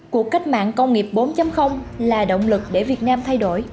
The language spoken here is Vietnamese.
cuộc cách mạng công nghiệp bốn là động lực để việt nam thay đổi